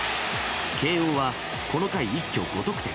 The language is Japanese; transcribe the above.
慶應はこの回一挙５得点。